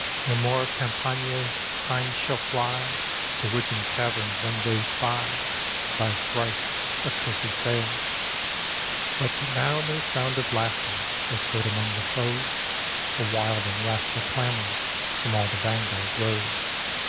No more Campania's hinds shall fly To woods and caverns when they spy Thy thrice accursed sail." 280 HORATIUS But now no sound of laughter Was heard among the foes. A wild and wrathful clamor From all the vanguard rose.